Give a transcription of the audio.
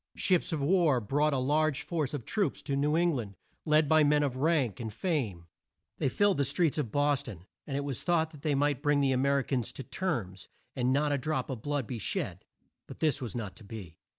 Ships of war brought a large force of troops to New Eng land, led by men of rank and fame. They filled the streets of Bos ton, and it was thought they might bring the A mer i cans to terms, and not a drop of blood be shed. But this was not to be.